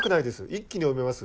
一気に読めます。